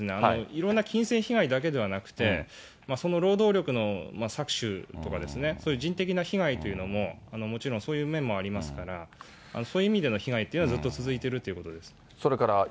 いろんな金銭被害だけではなくて、その労働力の搾取とか、そういう人的な被害というのも、もちろんそういう面もありますから、そういう意味での被害というのは、ずっと続いているということです。